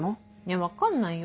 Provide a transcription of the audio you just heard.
分かんないよ。